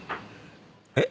えっ？